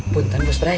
buntun bos brai